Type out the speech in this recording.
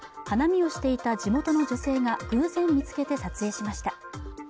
花見をしていた地元の女性が偶然見つけて撮影しました